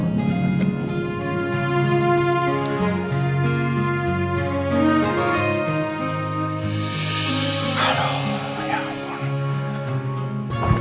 aduh ya allah